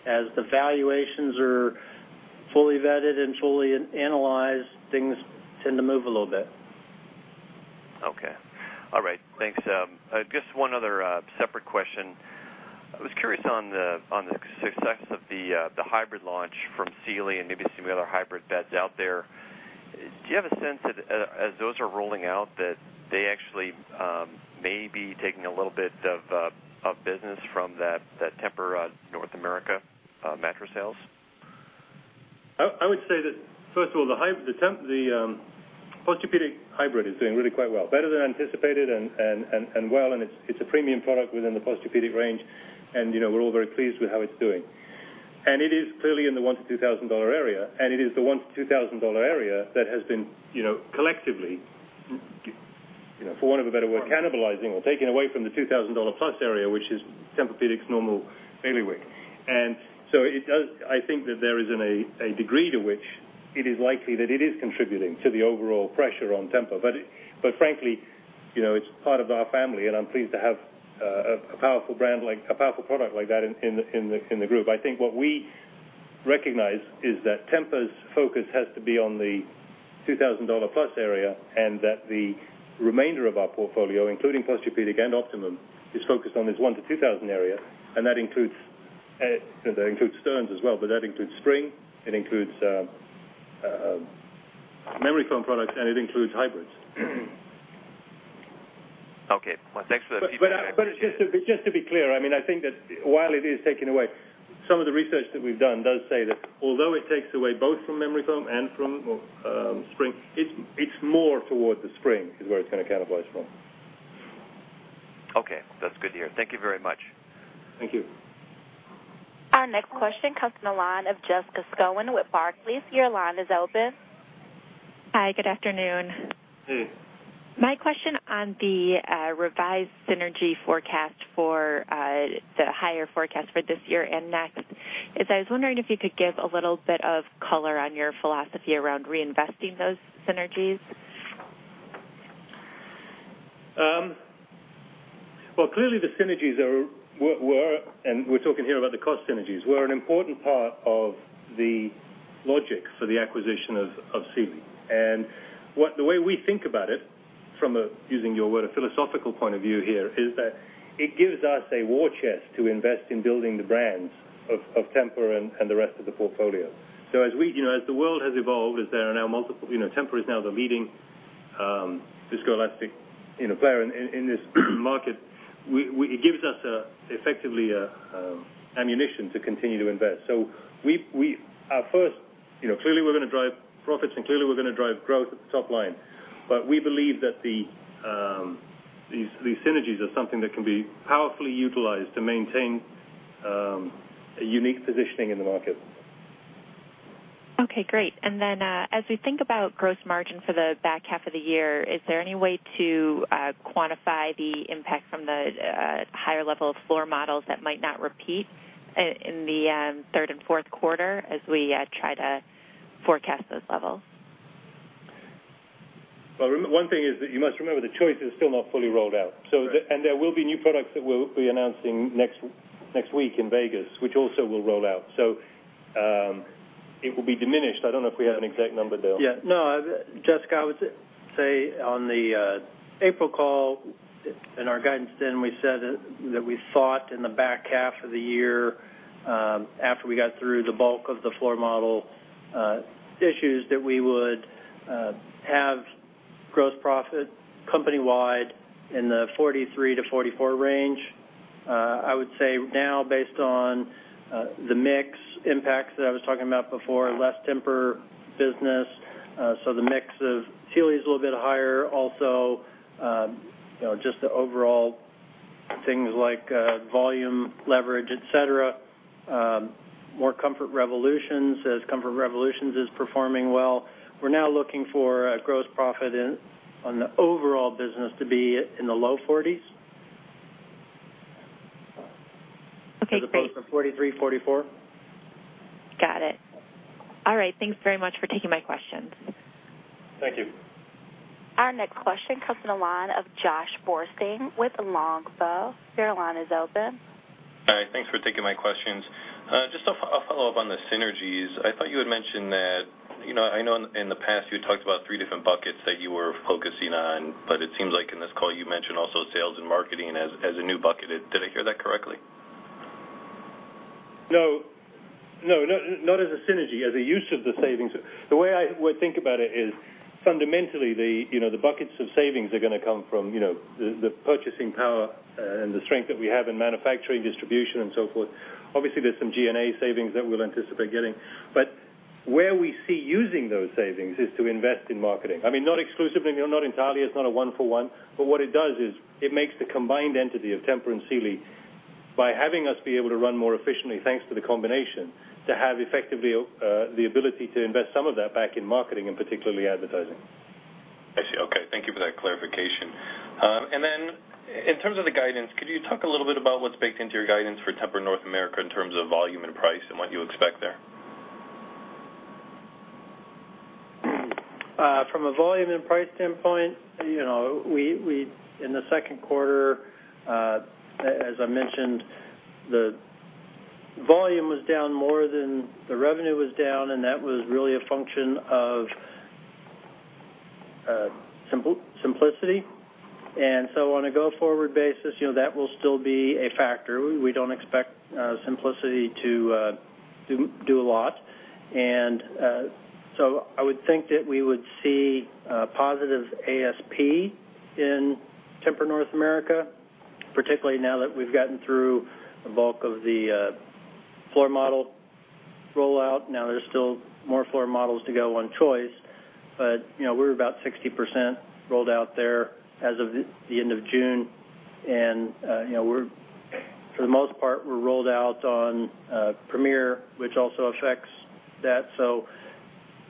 As the valuations are fully vetted and fully analyzed, things tend to move a little bit. Okay. All right. Thanks. One other separate question. I was curious on the success of the hybrid launch from Sealy and maybe some of the other hybrid beds out there. Do you have a sense that as those are rolling out, that they actually may be taking a little bit of business from that Tempur North America mattress sales? I would say that first of all, the Posturepedic Hybrid is doing really quite well. Better than anticipated and well, it's a premium product within the Posturepedic range, and we're all very pleased with how it's doing. It is clearly in the $1,000-$2,000 area, and it is the $1,000-$2,000 area that has been collectively, for want of a better word, cannibalizing or taking away from the $2,000-plus area, which is Tempur-Pedic's normal entryway. I think that there is a degree to which it is likely that it is contributing to the overall pressure on Tempur. Frankly, it's part of our family, and I'm pleased to have a powerful product like that in the group. I think what we recognize is that Tempur's focus has to be on the $2,000-plus area. The remainder of our portfolio, including Posturepedic and Optimum, is focused on this $1,000-$2,000 area. That includes Stearns as well, but that includes spring, it includes memory foam products, and it includes hybrids. Okay. Well, thanks for that. Just to be clear, I think that while it is taking away, some of the research that we've done does say that although it takes away both from memory foam and from spring, it's more towards the spring is where it's going to cannibalize from. Okay. That's good to hear. Thank you very much. Thank you. Our next question comes from the line of Jessica Reif Cohen with Barclays. Your line is open. Hi, good afternoon. Hey. My question on the revised synergy forecast for the higher forecast for this year and next is, I was wondering if you could give a little bit of color on your philosophy around reinvesting those synergies. Clearly the synergies, and we're talking here about the cost synergies, were an important part of the logic for the acquisition of Sealy. The way we think about it from a, using your word, a philosophical point of view here, is that it gives us a war chest to invest in building the brands of Tempur and the rest of the portfolio. As the world has evolved, as there are now Tempur is now the leading viscoelastic player in this market. It gives us effectively ammunition to continue to invest. Our first, clearly we're going to drive profits, and clearly we're going to drive growth at the top line. We believe that these synergies are something that can be powerfully utilized to maintain a unique positioning in the market. Okay, great. As we think about gross margin for the back half of the year, is there any way to quantify the impact from the higher level of floor models that might not repeat in the third and fourth quarter as we try to forecast those levels? One thing is that you must remember that Choice is still not fully rolled out. Right. There will be new products that we'll be announcing next week in Vegas, which also will roll out. It will be diminished. I don't know if we have an exact number, Dale. No, Jessica, I would say on the April call, in our guidance, we said that we thought in the back half of the year, after we got through the bulk of the floor model issues, that we would have gross profit company-wide in the 43%-44% range. I would say now, based on the mix impacts that I was talking about before, less Tempur business, the mix of Sealy's a little bit higher. Also, just the overall things like volume leverage, et cetera. More Comfort Revolution, as Comfort Revolution is performing well. We're now looking for a gross profit on the overall business to be in the low 40s. Okay, great. As opposed from 43%, 44%. Got it. All right, thanks very much for taking my questions. Thank you. Our next question comes from the line of Josh Borstein with Longbow. Your line is open. Hi, thanks for taking my questions. Just a follow-up on the synergies. I thought you had mentioned that, I know in the past you had talked about three different buckets that you were focusing on. It seems like in this call, you mentioned also sales and marketing as a new bucket. Did I hear that correctly? No. Not as a synergy. As a use of the savings. The way I would think about it is fundamentally, the buckets of savings are going to come from the purchasing power and the strength that we have in manufacturing, distribution, and so forth. Obviously, there's some G&A savings that we'll anticipate getting. Where we see using those savings is to invest in marketing. Not exclusively, not entirely. It's not a one for one, but what it does is it makes the combined entity of Tempur and Sealy By having us be able to run more efficiently, thanks to the combination, to have effectively the ability to invest some of that back in marketing and particularly advertising. I see. Okay. Thank you for that clarification. In terms of the guidance, could you talk a little bit about what's baked into your guidance for Tempur North America in terms of volume and price and what you expect there? From a volume and price standpoint, in the second quarter, as I mentioned, the volume was down more than the revenue was down, and that was really a function of TEMPUR-Simplicity. On a go-forward basis, that will still be a factor. We don't expect TEMPUR-Simplicity to do a lot. I would think that we would see a positive ASP in Tempur North America, particularly now that we've gotten through the bulk of the floor model rollout. There's still more floor models to go on Choice, but we're about 60% rolled out there as of the end of June. For the most part, we're rolled out on Premier, which also affects that.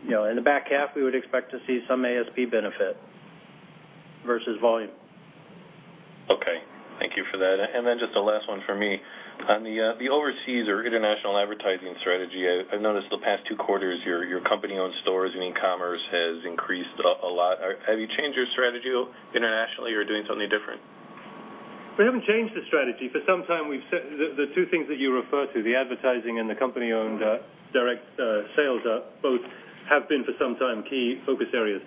In the back half, we would expect to see some ASP benefit versus volume. Okay. Thank you for that. Just the last one from me. On the overseas or international advertising strategy, I've noticed the past two quarters, your company-owned stores and e-commerce has increased a lot. Have you changed your strategy internationally or are doing something different? We haven't changed the strategy. For some time, the two things that you refer to, the advertising and the company-owned direct sales, both have been for some time key focus areas.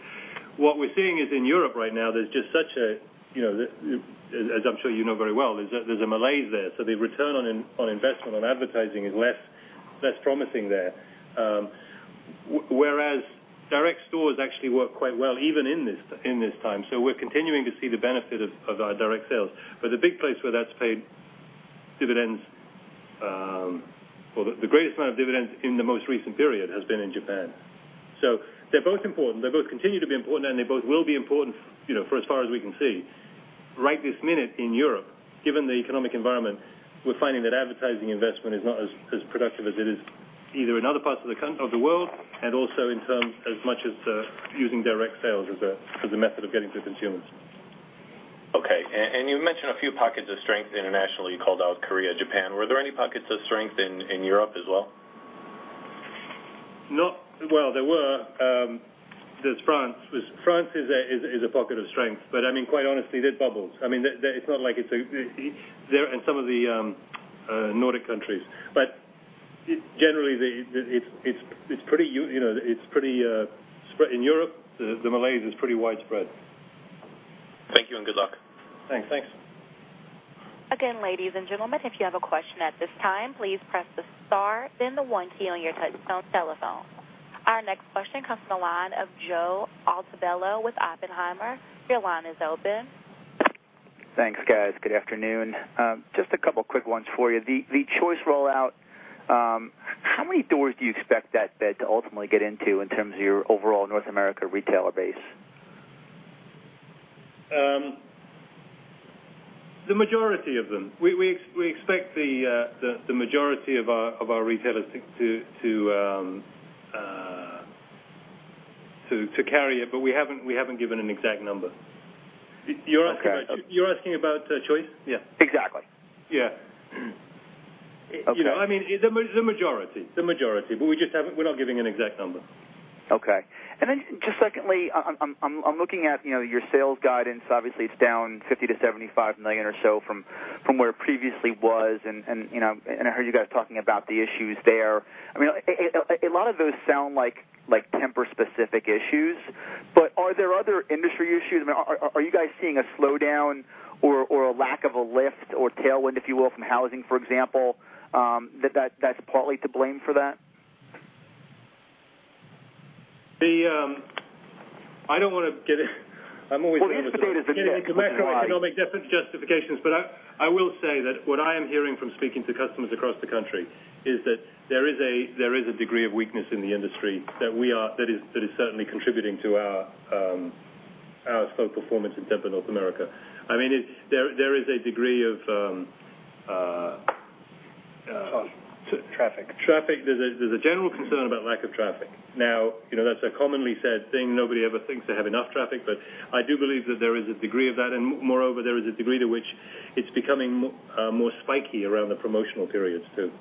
What we're seeing is in Europe right now, there's just such a, as I'm sure you know very well, there's a malaise there. The return on investment on advertising is less promising there. Whereas direct stores actually work quite well even in this time. We're continuing to see the benefit of our direct sales. The big place where that's paid dividends, or the greatest amount of dividends in the most recent period, has been in Japan. They're both important. They both continue to be important, and they both will be important for as far as we can see. Right this minute in Europe, given the economic environment, we're finding that advertising investment is not as productive as it is either in other parts of the world and also in terms as much as using direct sales as a method of getting to consumers. Okay. You mentioned a few pockets of strength internationally. You called out Korea, Japan. Were there any pockets of strength in Europe as well? Well, there were. There's France. France is a pocket of strength, quite honestly, they're bubbles. Some of the Nordic countries. Generally, in Europe, the malaise is pretty widespread. Thank you and good luck. Thanks. Thanks. Again, ladies and gentlemen, if you have a question at this time, please press the star, then the one key on your touch telephone. Our next question comes from the line of Joe Altobello with Oppenheimer. Your line is open. Thanks, guys. Good afternoon. Just a couple of quick ones for you. The Choice rollout, how many doors do you expect that bed to ultimately get into in terms of your overall North America retailer base? The majority of them. We expect the majority of our retailers to carry it, but we haven't given an exact number. Okay. You're asking about Choice? Yeah. Exactly. Yeah. Okay. The majority. We're not giving an exact number. Okay. Just secondly, I'm looking at your sales guidance. Obviously, it's down $50 million-$75 million or so from where it previously was, and I heard you guys talking about the issues there. A lot of those sound like Tempur-specific issues, are there other industry issues? Are you guys seeing a slowdown or a lack of a lift or tailwind, if you will, from housing, for example, that's partly to blame for that? I'm always getting into macroeconomic defense justifications, I will say that what I am hearing from speaking to customers across the country is that there is a degree of weakness in the industry that is certainly contributing to our slow performance in Tempur North America. Traffic That's a commonly said thing. Nobody ever thinks they have enough traffic, but I do believe that there is a degree of that. Moreover, there is a degree to which it's becoming more spiky around the promotional periods, too.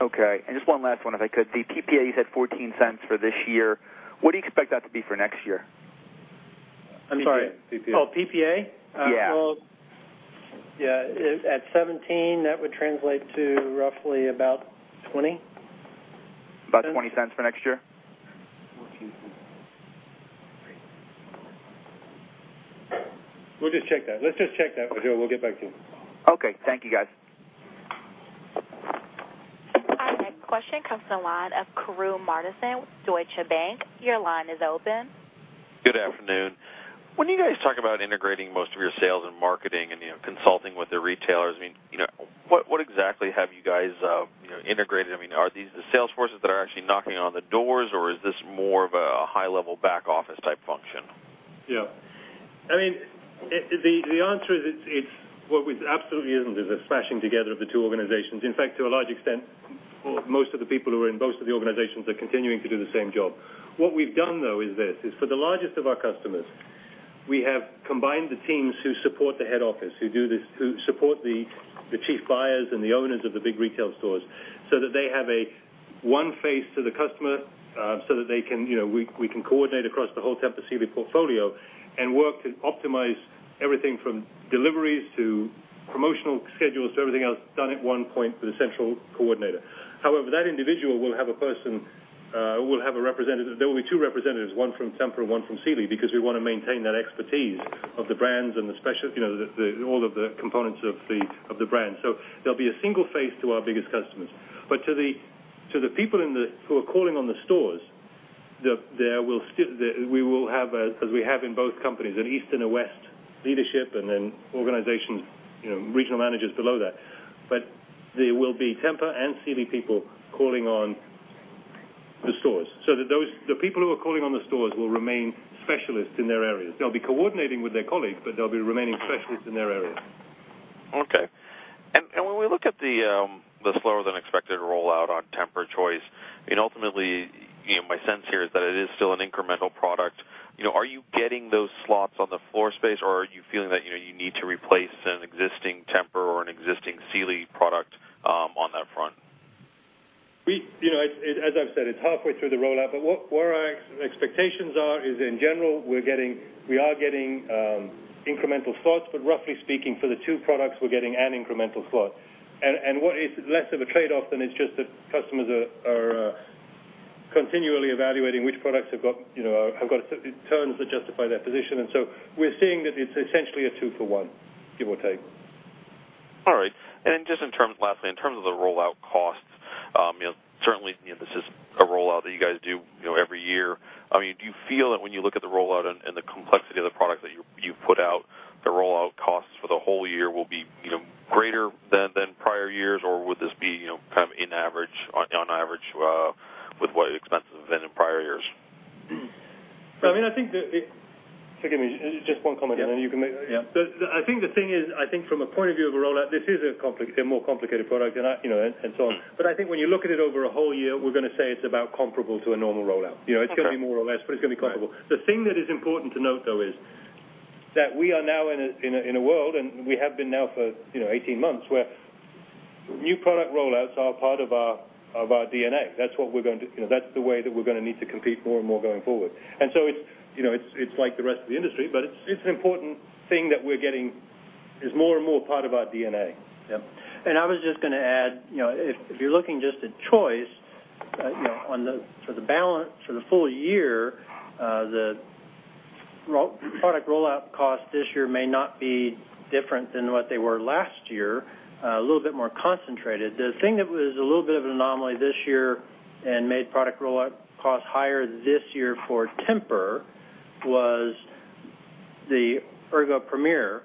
Okay. Just one last one, if I could. The PPAs at $0.14 for this year, what do you expect that to be for next year? I'm sorry. PPA. Oh, PPA? Yeah. at 17, that would translate to roughly about $0.20. About $0.20 for next year? $0.14. We'll just check that. Let's just check that with Joe. We'll get back to you. Okay. Thank you, guys. Our next question comes from the line of Arun Mathew with Deutsche Bank. Your line is open. Good afternoon. When you guys talk about integrating most of your sales and marketing and consulting with the retailers, what exactly have you guys integrated? Are these the sales forces that are actually knocking on the doors, or is this more of a high-level back office type function? The answer is it absolutely isn't a smashing together of the two organizations. In fact, to a large extent, most of the people who are in both of the organizations are continuing to do the same job. What we've done, though, is this. For the largest of our customers, we have combined the teams who support the head office, who support the chief buyers and the owners of the big retail stores, so that they have a one face to the customer, so that we can coordinate across the whole Tempur Sealy portfolio and work to optimize everything from deliveries to promotional schedules to everything else done at one point for the central coordinator. However, that individual will have a representative. There will be two representatives, one from Tempur and one from Sealy, because we want to maintain that expertise of the brands and all of the components of the brand. There'll be a single face to our biggest customers. To the people who are calling on the stores, we will have, as we have in both companies, an east and a west leadership and then regional managers below that. There will be Tempur and Sealy people calling on the stores so that the people who are calling on the stores will remain specialists in their areas. They'll be coordinating with their colleagues, but they'll be remaining specialists in their areas. Okay. When we look at the slower-than-expected rollout on TEMPUR-Choice, ultimately, my sense here is that it is still an incremental product. Are you getting those slots on the floor space, or are you feeling that you need to replace an existing Tempur or an existing Sealy product on that front? As I've said, it's halfway through the rollout, but where our expectations are is, in general, we are getting incremental slots, but roughly speaking, for the two products, we're getting an incremental slot. It's less of a trade-off than it's just that customers are continually evaluating which products have got the terms that justify their position. We're seeing that it's essentially a two for one, give or take. All right. Lastly, in terms of the rollout costs, certainly, this is a rollout that you guys do every year. Do you feel that when you look at the rollout and the complexity of the product that you put out, the rollout costs for the whole year will be greater than prior years, or would this be on average with what expenses have been in prior years? Just one comment and then you can make. Yeah. I think the thing is, I think from a point of view of a rollout, this is a more complicated product and so on. I think when you look at it over a whole year, we're going to say it's about comparable to a normal rollout. Okay. It's going to be more or less, it's going to be comparable. Right. The thing that is important to note, though, is that we are now in a world, and we have been now for 18 months, where new product rollouts are part of our DNA. That's the way that we're going to need to compete more and more going forward. It's like the rest of the industry, it's an important thing that is more and more part of our DNA. Yeah. I was just going to add, if you're looking just at Choice, for the full year, the product rollout cost this year may not be different than what they were last year. A little bit more concentrated. The thing that was a little bit of an anomaly this year and made product rollout costs higher this year for Tempur was the TEMPUR-Ergo Premier.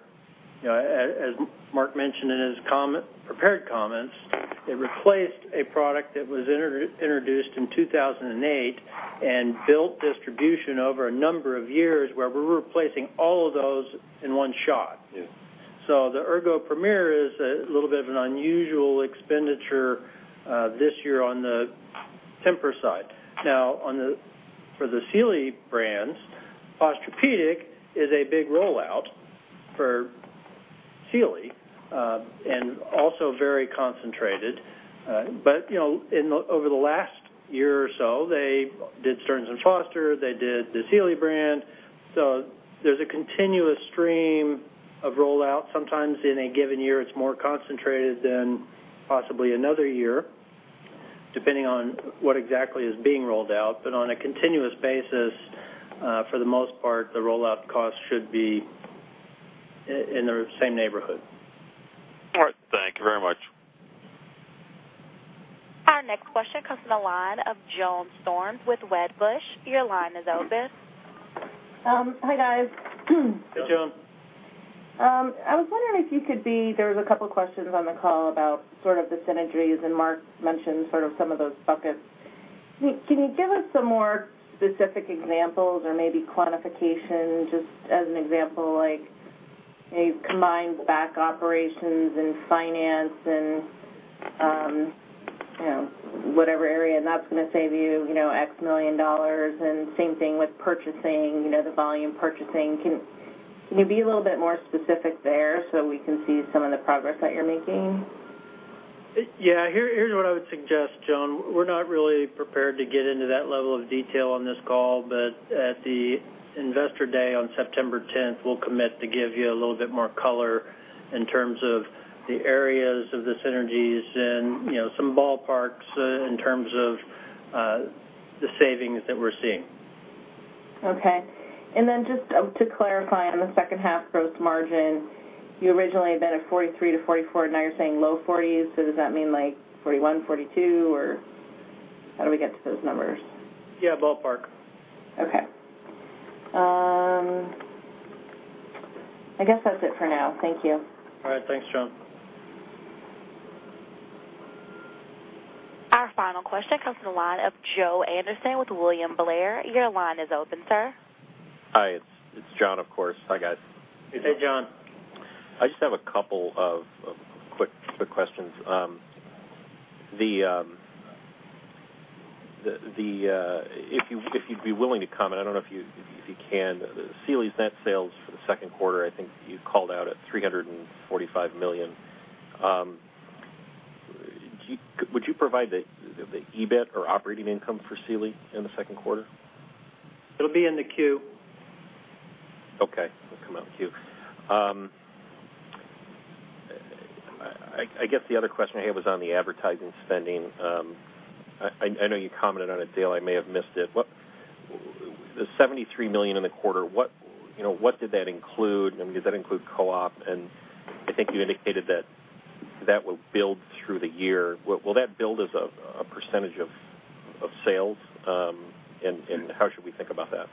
As Mark mentioned in his prepared comments, it replaced a product that was introduced in 2008 and built distribution over a number of years, where we're replacing all of those in one shot. Yeah. The Ergo Premier is a little bit of an unusual expenditure this year on the Tempur side. Now, for the Sealy brands, Posturepedic is a big rollout for Sealy and also very concentrated. Over the last year or so, they did Stearns & Foster, they did the Sealy brand. There's a continuous stream of rollout. Sometimes in a given year, it's more concentrated than possibly another year, depending on what exactly is being rolled out. On a continuous basis, for the most part, the rollout cost should be in the same neighborhood. All right. Thank you very much. Our next question comes from the line of Joan Storms with Wedbush. Your line is open. Hi, guys. Hi, Joan. I was wondering if you could. There was a couple questions on the call about sort of the synergies, and Mark mentioned sort of some of those buckets. Can you give us some more specific examples or maybe quantification, just as an example, like you've combined back operations and finance and whatever area that's going to save you $X million and same thing with purchasing, the volume purchasing. Can you be a little bit more specific there so we can see some of the progress that you're making? Yeah. Here's what I would suggest, Joan. We're not really prepared to get into that level of detail on this call, but at the investor day on September 10th, we'll commit to give you a little bit more color in terms of the areas of the synergies and some ballparks in terms of the savings that we're seeing. Okay. Just to clarify on the second half gross margin, you originally had been at 43%-44%. Now you're saying low 40s. Does that mean like 41, 42, or how do we get to those numbers? Yeah, ballpark. Okay. I guess that's it for now. Thank you. All right. Thanks, Joan. One question comes from the line of Joe Anderson with William Blair. Your line is open, sir. Hi, it's John, of course. Hi, guys. Hey, John. I just have a couple of quick questions. If you'd be willing to comment, I don't know if you can, Sealy's net sales for the second quarter, I think you called out at $345 million. Would you provide the EBIT or operating income for Sealy in the second quarter? It'll be in the Q. Okay. It'll come out in the Q. I guess the other question I had was on the advertising spending. I know you commented on it, Dale. I may have missed it. The $73 million in the quarter, what did that include? Does that include co-op? I think you indicated that that will build through the year. Will that build as a % of sales? How should we think about that?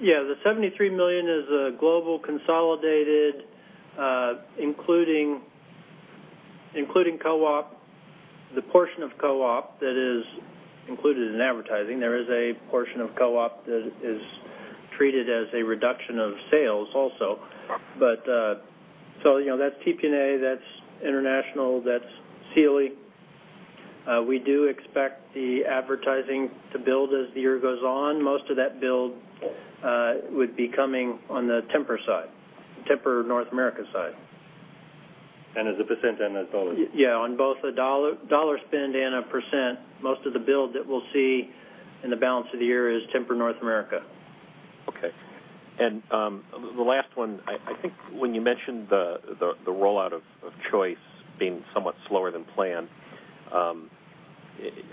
Yeah. The $73 million is a global consolidated including co-op. The portion of co-op that is included in advertising, there is a portion of co-op that is treated as a reduction of sales also. That's TPNA, that's international, that's Sealy. We do expect the advertising to build as the year goes on. Most of that build would be coming on the Tempur side, Tempur North America side. As a % and as dollars. Yeah, on both a dollar spend and a %, most of the build that we'll see in the balance of the year is Tempur North America. The last one, I think when you mentioned the rollout of Choice being somewhat slower than planned,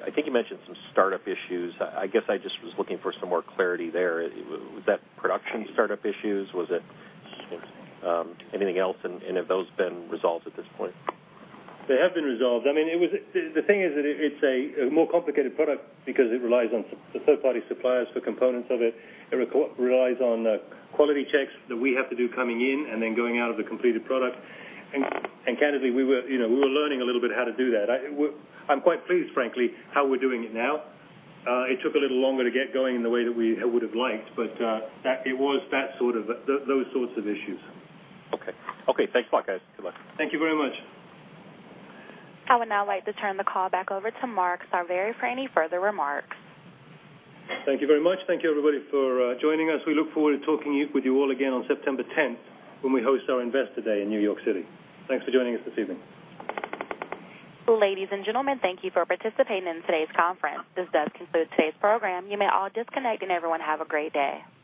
I think you mentioned some startup issues. I guess I just was looking for some more clarity there. Was that production startup issues? Was it anything else? Have those been resolved at this point? They have been resolved. The thing is that it's a more complicated product because it relies on third-party suppliers for components of it. It relies on quality checks that we have to do coming in and then going out of the completed product. Candidly, we were learning a little bit how to do that. I'm quite pleased, frankly, how we're doing it now. It took a little longer to get going in the way that we would've liked, it was those sorts of issues. Okay. Thanks a lot, guys. Goodbye. Thank you very much. I would now like to turn the call back over to Mark Sarvary for any further remarks. Thank you very much. Thank you, everybody, for joining us. We look forward to talking with you all again on September 10th, when we host our Investor Day in New York City. Thanks for joining us this evening. Ladies and gentlemen, thank you for participating in today's conference. This does conclude today's program. You may all disconnect, and everyone have a great day.